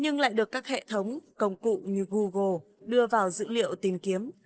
nhưng lại được các hệ thống công cụ như google đưa vào dữ liệu tìm kiếm